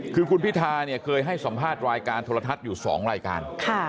คือคุณพิธาเนี่ยเคยให้สัมภาษณ์รายการโทรทัศน์อยู่๒รายการ